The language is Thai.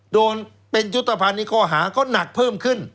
โดนเป็นยุตภัณฑ์นี้ข้อหาก็หนักเพิ่มขึ้น